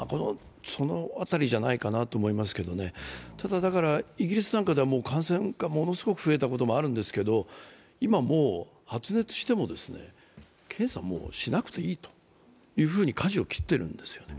その辺りじゃないかなと思いますけどただ、イギリスなんかでは感染がものすごく増えたこともあるんですけれども、今、発熱しても検査をしなくていいというふうにかじを切っているんですよね。